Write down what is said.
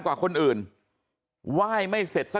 สวัสดีครับคุณผู้ชาย